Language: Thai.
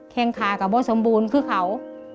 แข่งขากับโบสมบูรณ์คือเขา